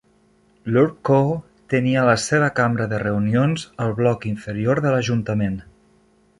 L'UrbCo tenia la seva cambra de reunions al bloc inferior de l'ajuntament.